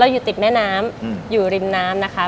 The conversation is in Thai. อยู่ติดแม่น้ำอยู่ริมน้ำนะคะ